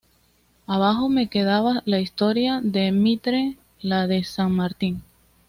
Abajo me quedaba la historia de Mitre, la de San Martín.